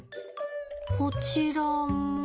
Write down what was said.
こちらも。